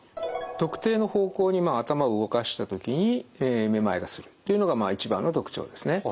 特定の方向に頭を動かしたときにめまいがするというのが一番の特徴ですね。